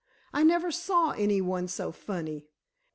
I never saw any one so funny.